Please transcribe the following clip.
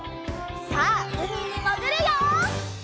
さあうみにもぐるよ！